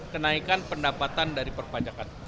kenaikan pendapatan dari perpajakan